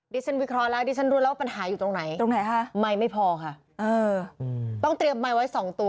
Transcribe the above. ดิฉันวิเคราะห์แล้วรู้แล้วปัญหาอยู่ตรงไหนไม่พอค่ะต้องเตรียมไม้ไว้๒ตัว